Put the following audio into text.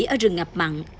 ở rừng ngập mặn